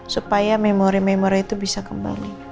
supaya memori memori itu bisa kembali